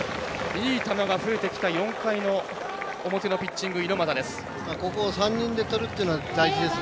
いい球が増えてきた４回の表のピッチング猪俣です。